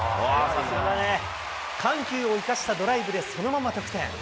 緩急を生かしたドライブでそのまま得点。